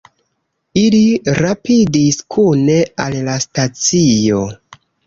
Ili rapidis kune al la stacio.